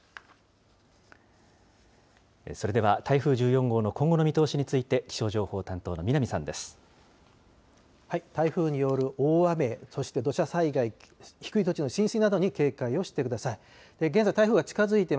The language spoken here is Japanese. それでは台風１４号の今後の見通しについて、気象情報担当の南さ台風による大雨、そして土砂災害、低い土地の浸水などに警戒をしてください。